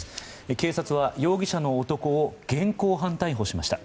警察は容疑者の男を現行犯逮捕しました。